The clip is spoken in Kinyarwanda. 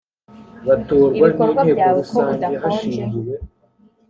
ibikorwa byawe ko udakonje